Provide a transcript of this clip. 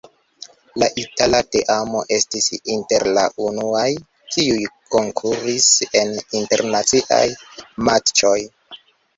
La itala teamo estis inter la unuaj, kiuj konkuris en internaciaj matĉoj.